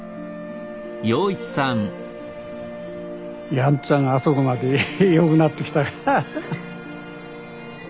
やんちゃがあそこまでよくなってきたから。